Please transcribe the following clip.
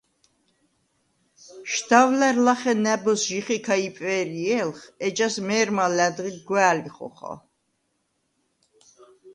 შდავლა̈რ ლახე ნა̈ბოზს ჟიხიქა იპვე̄რჲე̄ლხ, ეჯას მე̄რმა ლა̈დღი გვა̄̈ლი ხოხალ.